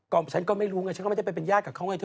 ฉันก็ไม่รู้ไงฉันก็ไม่ได้ไปเป็นญาติกับเขาไงเธอ